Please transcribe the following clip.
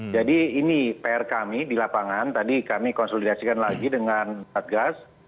jadi ini pr kami di lapangan tadi kami konsolidasikan lagi dengan satgas